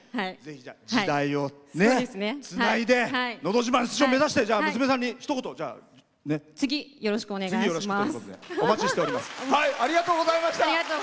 「時代」をつないで「のど自慢」出場目指して娘さんに次、よろしくお願いします。